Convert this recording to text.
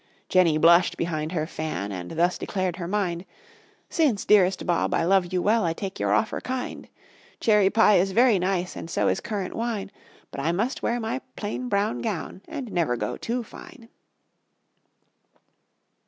Jenny blushed behind her fan and thus declared her mind: "Since, dearest Bob, I love you well, I take your offer kind; Cherry pie is very nice and so is currant wine, But I must wear my plain brown gown and never go too fine."